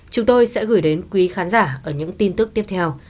chúng tôi sẽ gửi đến quý khán giả ở những tin tức tiếp theo